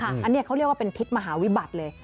อันนี้เขาเรียกว่าเป็นทิศมหาวิบัติเลย